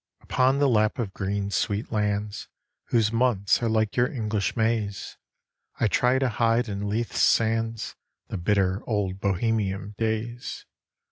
Upon the lap of green, sweet lands, Whose months are like your English Mays, I try to hide in Lethe's sands The bitter, old Bohemian days.